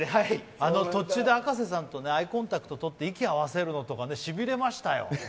途中で葉加瀬さんとアイコンタクトを取って息合わせるのとかしびれましたよ。